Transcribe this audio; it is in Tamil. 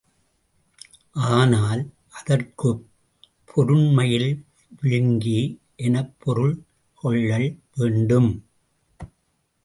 ஆனால், அதற்குப் பொருண்மையில் விழுங்கி எனப் பொருள் கொள்ளல் வேண்டும்.